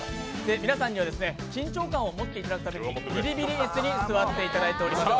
皆さんには緊張感を持っていただくため、ビリビリ椅子に座っていただいております。